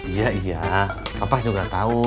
iya iya apa juga tahu